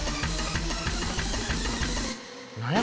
何や？